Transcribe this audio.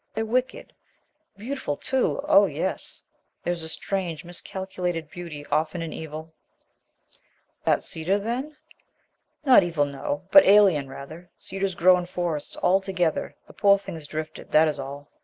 They're wicked. Beautiful too, oh yes! There's a strange, miscalculated beauty often in evil " "That cedar, then ?" "Not evil, no; but alien, rather. Cedars grow in forests all together. The poor thing has drifted, that is all."